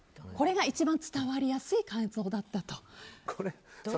これが一番伝わりやすい感想だったと。